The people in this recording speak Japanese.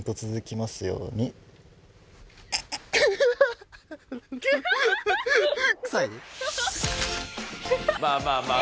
まあまあまあまあ。